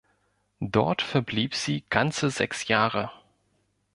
Dort verblieb sie ganze sechs Jahre.